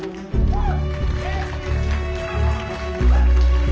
あっ。